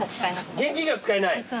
現金が使えない？